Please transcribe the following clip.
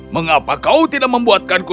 mengapa kau tidak membuatkanku